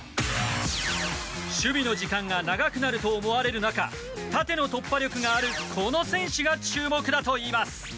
守備の時間が長くなると思われる中縦の突破力があるこの選手が注目だといいます。